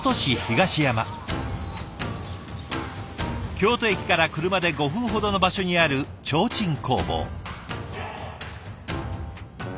京都駅から車で５分ほどの場所にある提灯工房。